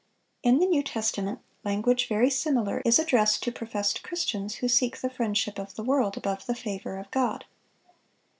(627) In the New Testament, language very similar is addressed to professed Christians who seek the friendship of the world above the favor of God.